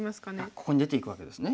ここに出ていくわけですね。